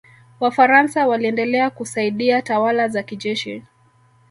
wafaransa waliendelea kusaidia tawala za kijeshi